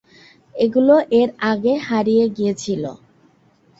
এগুলো এর আগে হারিয়ে গিয়েছিল।